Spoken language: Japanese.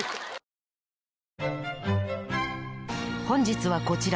本日はこちら！